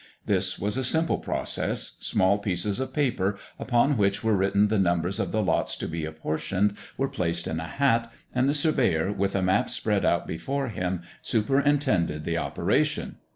This was a simple process. Small pieces of paper, upon which were written the numbers of the lots to be apportioned, were placed in a hat, and the surveyor, with a map spread out before him, superintended the operation.